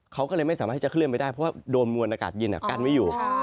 เขาก็เลยไม่สามารถที่จะเคลื่อนไปได้เพราะว่าโดนมวลอากาศเย็นกั้นไว้อยู่